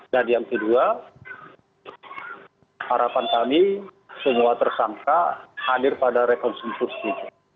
dan yang kedua harapan kami semua tersangka hadir pada rekonstruksi